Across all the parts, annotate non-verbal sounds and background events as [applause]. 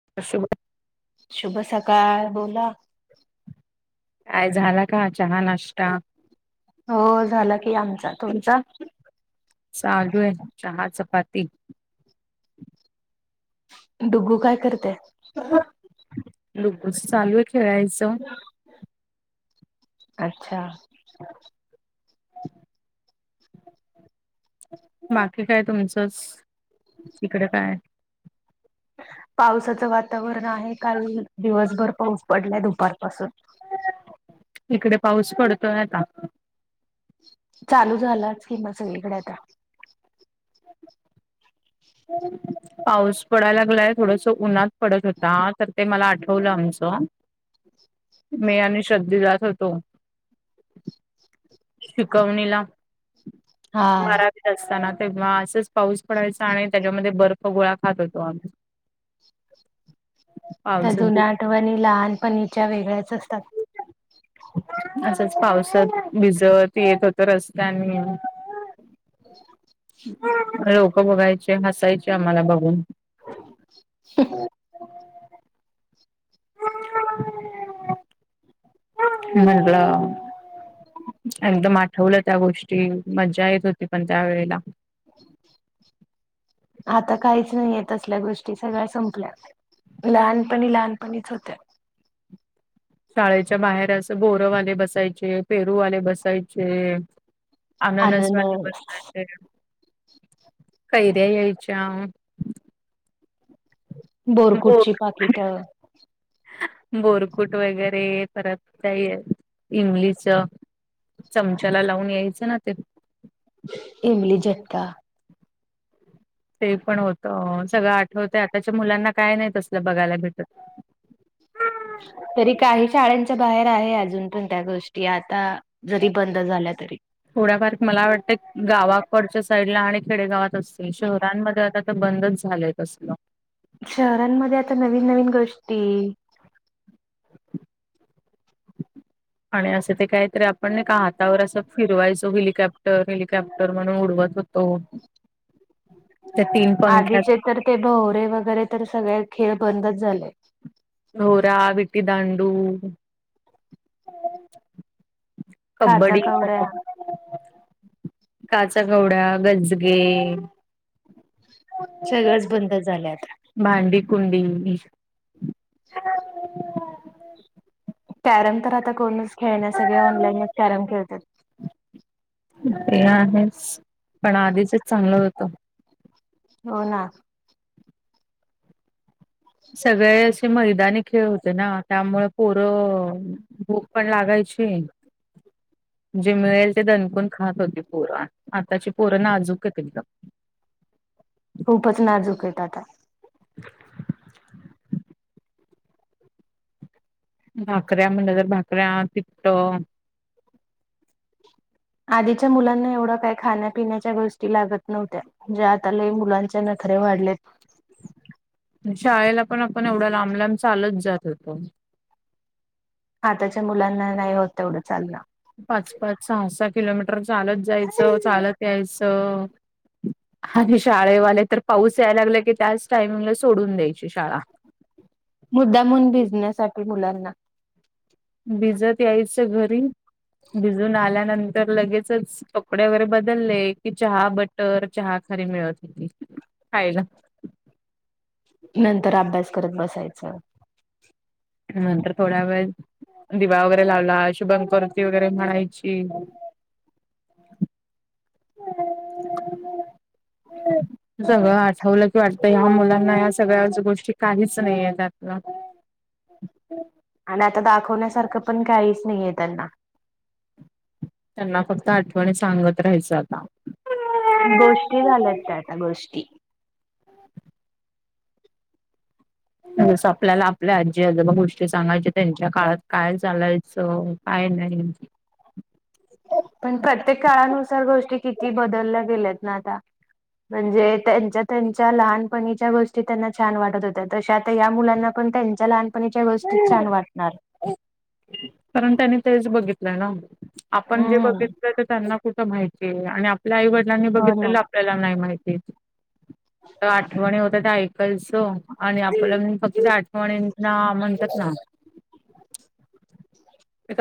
[unintelligible] शुभ सकाळ, बोला. काय, झाला का? चहा नाश्टा. हो, झाला की आमचा. तुमचा? चालूय, चहा -चपाती. डुगू, काय करतय? [unintelligible] चालूय खेळायचं. [unintelligible] अच्छा. [unintelligible] बाकी काय तुमचंस, तीकडे काय? पावसाचं वातावरण आहे काल दिवसभर पाऊस पडलाय दुपारपासून. इकडे पाऊस पडतोय आता. चालू झालाच कि, म सगळीकडे आता. [unintelligible] पाऊस पडायला लागलाय थोडस उन्हात पडत होता तर ते मला आठवलं आमचं. हम मे यांनी श्रद्धे जात होतो. शिकवणीला. हा बारावीत असताना तेव्हा असंच पाऊस पडायच आणि त्याच्यामध्ये बर्फ गोळा खात होतो आम्ही. त्या पावसात जुन्या आठवणी लहानपणीच्या वेगळ्याच असतात असंच पावसात भिजवत येत होत रस्त्यानी [inaudible] लोक बघायचे हसायचे आम्हाला बघून ह ह महह एकदम आठवलं त्या गोष्टी मज्जा येत होती पण त्या वेळेला आता काहीच नाहीय तसल्या गोष्टी सगळ्या संपल्या. लहानपणी लहानपणीच होत्या. शाळेच्या बाहेर असं बोरवाले बसायचे पेरूवाले बसायचे. आननस वाले अननस बसयाचे कैयर्या द यायच आ- बोरकुटची पाकिट. बोरकुट वगैरे परत काही इमलीच. चमचाला लावून यायचं ना ते. एमली झट्टका. ते पण होत सगळं आठवत आताच्या मुलांना काय नाही तसलं बघायला भेटत. तरी काही शाळांच्या बाहेर आहे अजून पण त्या गोष्टी आता. जरी बंद झाल्या तरी. थोडाफार मला वाटतं गावाकडच्या साईडला आणि खेडेगावात असते शहरांमध्ये आता- बंदच झालंय तसल. शहरांमध्ये आता नवीन नवीन गोष्टी. आणि असं ते काहीतरी आपण नाही का हातावर असं फिरवायचो हेलिकॉप्टर हेलिकॉप्टर म्हणून उडवत हो. तो आधीचे तर ते भवरे वगैरे तर सगळे खेळ बंदच झाले. होोरा वि्टी दांडू. काचा कबड्डी कवड्या काचाकवड्या गजगे. सगळंच बंद झालंत. भांडी कुंडी. कॅरम तर आता कोणच खेळण्या सगळे ऑनलाईनच कॅरम खेळत. ते आहेच पण आधीचच चांगलं होतो. हो ना सगळे असे मैदानी खेळ होते ना त्यामुळे पोरं- भूक पण लागायचे. जे मिळेल ते दणकून खात होते पोर आताची पोरं नाजूक आहेत त एक- खूपच नाजुक आहेत आता. मम भाकऱ्या म्हणलं तर भाकऱ्या तिट्ट आधीच्या मुलांना एवढ्या काही खाण्यापिण्याच्या गोष्टी लागत नव्हत्या म्हणजे आता ल मुलांच्या नखरे वाढलेत शाळेला पण आपण एवढा लांब लांब चालत जात होतो हा त्याच्या मुलांना नाही होत तेवढं चाललं पाच पाच सहा सहा किलोमीटर चालत जायचं चालत यायचं आणि शाळेवाले तर पाऊस यायला लागला की त्याच टायमिंगला सोडून द्यायची शाळा मुद्दा म्हून बिझनेससाठीठी मुलांना भिजत यायचं घरी भिजून आल्यानंतर लगेचच तकडे वगैरे बदलले की चहा बटर चहा खली मिळत हो खायला नंतर अभ्यास करत बसायचं नंतर थोड्या वेळेस दिवा वगैरे लावला शुभमकरोती वगैरे म्हणायची. [inaudible] हम् सगळं आठवलं की वाटतं ह्या मुलांना ह्या सगळ्या गोष्टी काहीच नाहीय त्यातलं. आणि आता दाखवण्यासारखं पण काहीच नाहीे त्यांना. त्यांना फक्त आठवणी सांगत राहायचं आता. गोष्टी झाल्यात आता गोष्टी. ह जस आपल्याला आपल्या आजी आजोबा गोष्टी सांगायच्या त्यांच्या काळात काय चालायचं ह ना आहे पण प्रत्येक काळानुसार गोष्टी किती बदलल्या गेल्यात ना आता म्हणजे त्यांच्या त्यांच्या लहानपणीच्या गोष्टी त्यांना छान वाटत होत्या तसे आता ह मुलांना पण त्यांच्या लहानपणीच्या गोष्टीत छान वाटणार कारण त्यांनी तेच बघितलंय ना आपण जे हम्म बघितलं ते त्यांना कुठ माहिती आणि आपल्या आई वडिलांनी बघितलेलं आपल्याला नाही माहिती ह तर आठवणी होत त्या ऐकालचं आणि आपलं फक्त त्या आठवणींना म्हणतात ना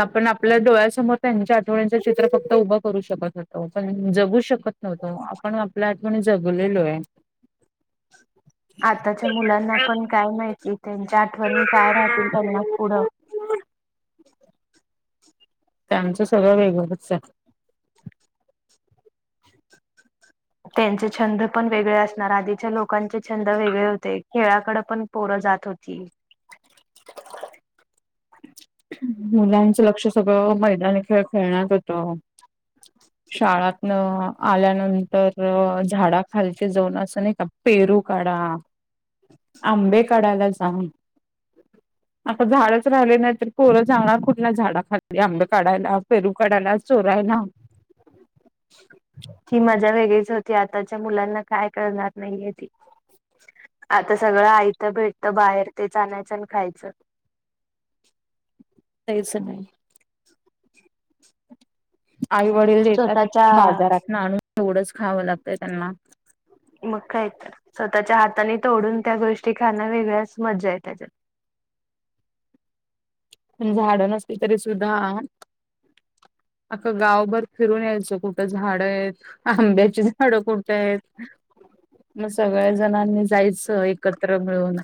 आपण आपल्या डोळ्यासमोर त्यांच्या आठवड्यांचं चित्र फक्त उभं करू शकत होतं पण जगू शकतो त नव्हतो आपण आपल्या आठवणी जगलेलो आहे आताच्या मुलांना पण काय माहिती त्यांच्या आठवणी काय राहतील त्यांनाच पुढं त्यांचं सगळं वेगळंच जं त्यांचे छंद पण वेगळे असणार आधीच्या लोकांचे छंद वेगळे होते खेळाकड पण पोरं जात होती मुलांचं लक्ष सगळं मैदानी खेळ खेळण्यात होत शाळातन आल्यानंतर झाडा खालचे जाऊन असं नाही का पेरू काढा [inaudible] आंबे काढायला सांग [inaudible] आता झाडच राहिले नाही तर कोरं जाणार कुठल्या झाडा खाली आंब काढायला पेरू काढायला चोरायला मा वेगळीच होती आताच्या मुलांना काय करणार नाहीये ती आता सगळं आयतं भेटत बाहेर तेचनायच्यान खायचं कायचं नाही [inaudible] आई वडील देतात स्वतःच्या बाजारात ना आणणून एवढंच खावं लागतंय त्यांना मग काही तर स्वतःच्या हाताने तोडून त्या गोष्टी खाण्यां वेगळ्याच मजा येत त्याच्यात पण झाडं नसली तरी सुद्धा अता गावभर फिरून यायचं कुठं झाडं आहेत आंब्याची झाडं कोुणत आहेत मग सगळ्या जणांनी जायचं एकत्र मिळून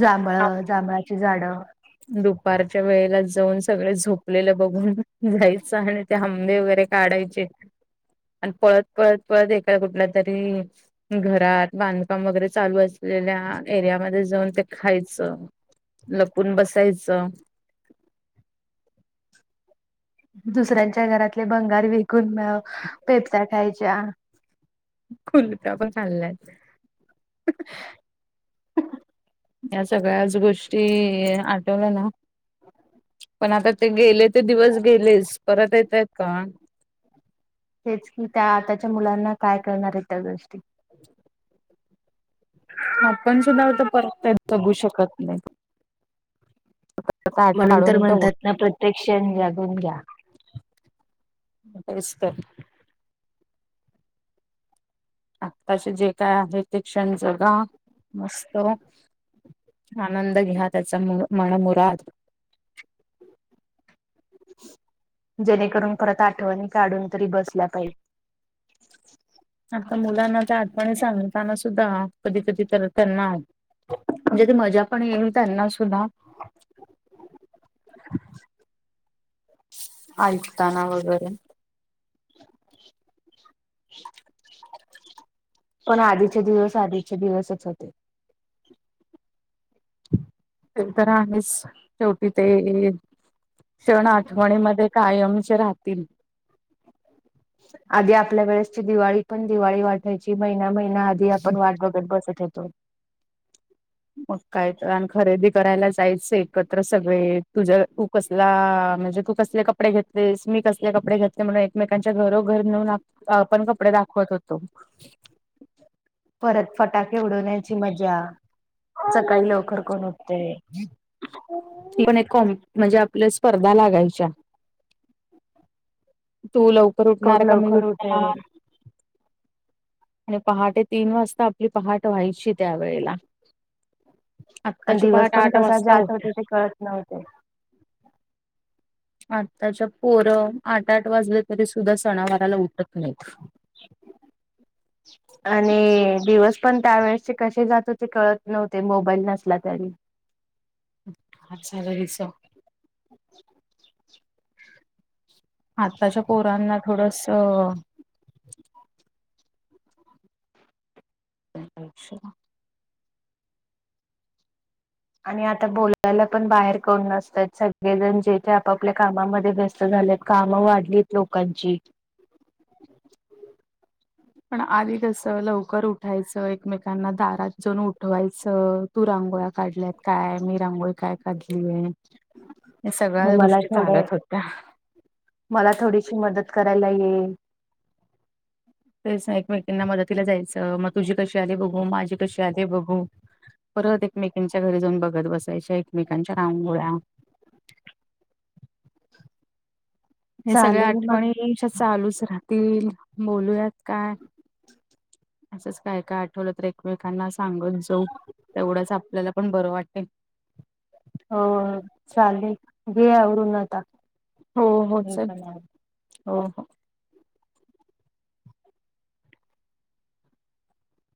जांभळ जांभळाची झाडं दुपारच्या वेळेला जाऊन सगळे झोपलेलं, बघून जायचं आणि ते हंबे वगैरे काढायचे आणि पळत पळत पळत एका कुठल्या तरी घरात बांधकाम वगैरे चालू असलेल्या एरियामध्ये जाऊन ते खायचं पण बसायचं दुसऱ्यांच्या घरातले भंगार विकून पेपच्या्या खायच्या कुल्प्या पण खाल्ल्यात [inaudible] या सगळ्याच गोष्टी आठवल्या ना पण आता ते गेले ते दिवस गेलेच परत येताएत का? तेच की त्या आताच्या मुलांना काय कळणार आहेत? त्या गोष्टी [unintelligible] आपण सुद्धा त्या परत जगू शकत नाहीत. म्हणून तर काढून म्हणतात, तेवढं ना प्रत्यक् क्षण जगून घ्या. तेच तर आत्ताचे जे काय आहे? ते क्षण जगा मस्त आनंद घ्या त्याचा मन मुराद जेणेकरून परत आठवणी काढून तरी बसल्या पाहिजे. आता मुलांना त्या आठवणी सांगताना सुद्धा कधी कधी तर त्यांना म्हणजे ती मजा पण येईल त्यांना सुद्धा ऐकताना वगेरे [inaudible] पण आधीचे दिवस आधीचे दिवसच होते. ते तर आहेच शेवटी ते हे क्षण आठवणीमध्ये कायमचे राहतील. आधी आपल्या वेळेसची दिवाळी पण दिवाळी वाटायची. महिना महिना आधी आपण वाट बघत बसत होेतो. मग काय तर? अन् खरेदी करायला जायचं एकत्र सगळे तुझ्या तू कसला म्हणजे, तू कसले कपडे घेतलेस, मी कसले कपडे घेतले? म्हणून एकमेकांच्या घरोघर नेऊन आपण दा आ आपण कपडे दाखवत होतो. परत फटाके उडवण्याची मज्जा, सकाळी लवकर कोण उठतय? ती पण एक कॉम म्हणजे आपल्या स्पर्धा लागायच्या तू लवकर कोण उठणार का मी लवकर उठणार? उठेल [inaudible] आणि पहाटे तीन वाजता आपली पहाट व्हायची त्यावेेळेला आण आत्ताची दिवस पहाट पण आठ कसा वाजता जात होते ते कळत नव्हते. आत्ताच्या पोरं आठ, आठ वाजले तरी सुद्धा सणावाराला उठत नाहीत. [inaudible] आणि दिवस पण त्यावेेळेचे कसे जात होते कळत नव्हते? मोबाईल नसला तरी अमच्या घरी चल. आत्ताच्या पोरांना थोडस अ त्यांचं आयुष्य आणि आता बोलायला पण बाहेर कोण नसतात? सगळेजण जे ते आपापल्या कामामध्ये व्यस्त स्त झाल्यात काम वाढलीत लोकांची पण आधी कस लवकर उठायचं, एकमेकांना दारात जाऊन उठवायचं तू रांगोळ्या काढल्यात काय? मी रांगोळी काय काढली ए ह्या सगळ्याच मला गोष्टी थोडं चालत होत्या. मला थोडीशी मदत करायला ये. तेच सा मैत्रीणीना मदतीला जायचं, मग तुझी कशी आले बघू, माझी कशी आले बघू परत एकमेकिंच्या घरी जाऊन बघत बसायच्या, एकमेकांच्या रांगोळ्या हे सगळ्या चालेल मग आठवणी ह्या आमच्या चालूच राहतील बोलूयात काय? असंच काय काय आठवलं तर एकमेकांना सांगत जाऊ. तेवढंच आपल्याला पण बरं वाटेल. हो चालेल घे अरून ना आता हो हो मी चल पण आले. हो हो.